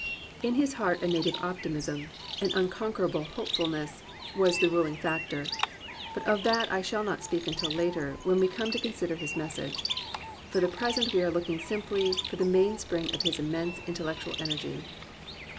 In his heart a native optimism, an unconquerable 247 COMPANIONABLE BOOKS hopefulness, was the ruHng factor. But of that I shall not speak until later, when we come to con sider his message. For the present we are looking simply for the mainspring of his immense intellec tual energy.